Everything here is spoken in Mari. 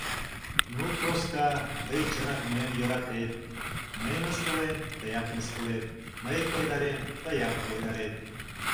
Ну, Проска, тый чынак мыйым йӧратет: мый мыскылем — тыят мыскылет, мый койдарем — тыят койдарет...